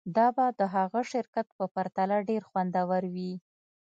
دا به د هغه شرکت په پرتله ډیر خوندور وي